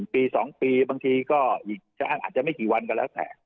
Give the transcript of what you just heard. ปี๒ปีบางทีก็อีกอันอาจจะไม่กี่วันก็แล้วแต่